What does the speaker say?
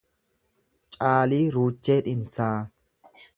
Caalii Ruuchee Dhinsaa